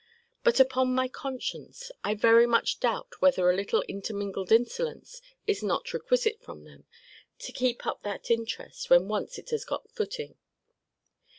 But, upon my conscience, I very much doubt whether a little intermingled insolence is not requisite from them, to keep up that interest, when once it has got footing.